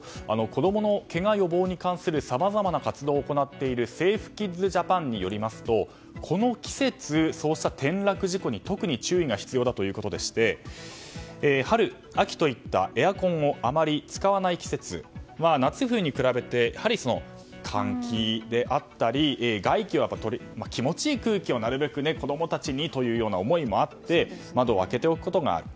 子供のけが予防に関するさまざまな活動を行っているセーフ・キッズ・ジャパンによりますとこの季節、そうした転落事故に特に注意が必要だということでして春、秋といったエアコンをあまり使わない季節は夏、冬に比べて換気であったり気持ちいい空気をなるべく子供たちにという思いもあって窓を開けておくことがある。